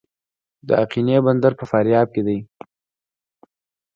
د اقینې بندر په فاریاب کې دی